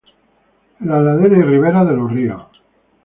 En las laderas y riberas de los ríos.